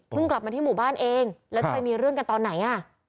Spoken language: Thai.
กลับมาที่หมู่บ้านเองแล้วจะไปมีเรื่องกันตอนไหนอ่ะ